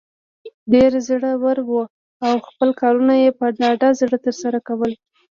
ډیر زړه ور وو او خپل کارونه یې په ډاډه زړه تر سره کول.